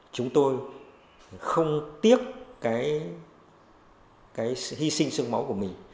chúng tôi không tiếc cái hy sinh sương máu của mình